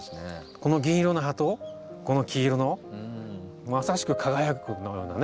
この銀色の葉とこの黄色のまさしく輝くようなね